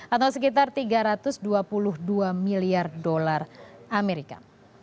atau sekitar tiga ratus dua puluh dua miliar dolar amerika